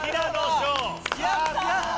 やった！